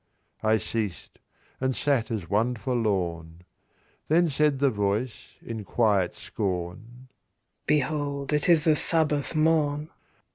I ceased, and sat as one forlorn. Then said the voice, in quiet scorn, "Behold it is the Sabbath morn".